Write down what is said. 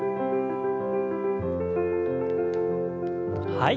はい。